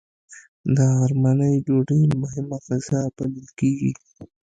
د غرمنۍ ډوډۍ مهمه غذا بلل کېږي